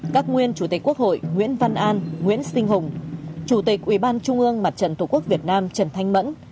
các nguyên chủ tịch quốc hội nguyễn văn an nguyễn sinh hùng chủ tịch ủy ban trung ương mặt trận tổ quốc việt nam trần thanh mẫn